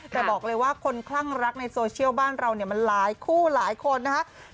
แต่บอกเลยว่าคนคลั่งรักในโซเชียลบ้านเราเนี่ยมันหลายคู่หลายคนนะครับ